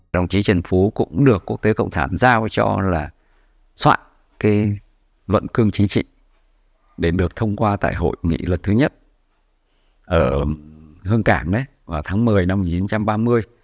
đồng chí trần phú cũng được quốc tế cộng sản giao cho là soạn cái luận cương chính trị để được thông qua tại hội nghị luật thứ nhất ở hương cảm vào tháng một mươi năm một nghìn chín trăm ba mươi